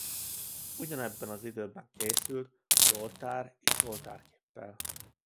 Ugyanebben az időben készült az oltár is oltárképpel.